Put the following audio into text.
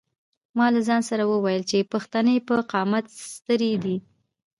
ما له ځان سره وویل چې پښتنې په قامت سترې دي.